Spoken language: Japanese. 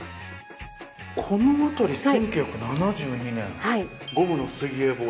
このあたり１９７２年。